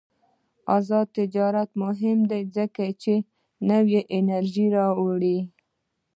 آزاد تجارت مهم دی ځکه چې نوې انرژي راوړي.